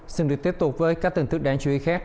xin được tiếp tục với các tình thức đáng chú ý khác